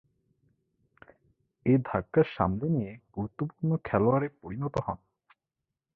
এ ধাক্কা সামলে নিয়ে গুরুত্বপূর্ণ খেলোয়াড়ে পরিণত হন।